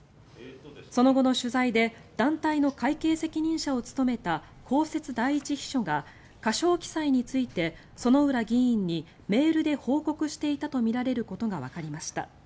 その後の取材で団体の会計責任者を務めた公設第１秘書が過少記載について、薗浦議員にメールで報告していたとみられることがわかりました。